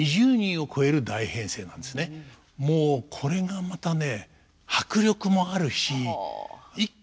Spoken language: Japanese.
もうこれがまたね